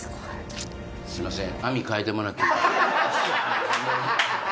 すいません。